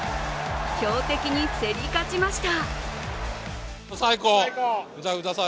強敵に競り勝ちました。